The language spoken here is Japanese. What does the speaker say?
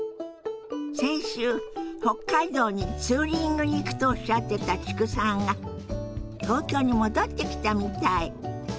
先週北海道にツーリングに行くとおっしゃってた知久さんが東京に戻ってきたみたい。